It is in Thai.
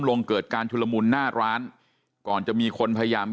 ลงเกิดการชุลมุนหน้าร้านก่อนจะมีคนพยายาม